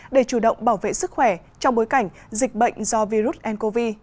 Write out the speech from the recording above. để chủ động bảo vệ sức khỏe trong bối cảnh dịch bệnh do virus ncov